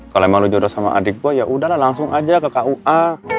kalo emang lo jodoh sama adik gue ya udahlah langsung aja ke kua